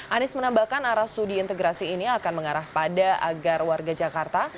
anies menambahkan arah studi integrasi ini akan mengarah pada agar warga jakarta